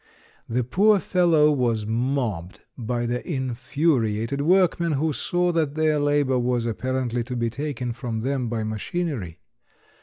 The poor fellow was mobbed by the infuriated workmen who saw that their labor was apparently to be taken from them by machinery.